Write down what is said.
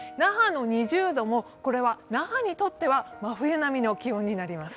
那覇の２０度も、これは那覇にとっては真冬並みの気温になります。